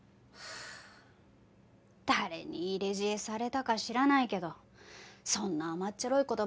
誰に入れ知恵されたか知らないけどそんな甘っちょろい